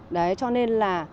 đấy cho nên là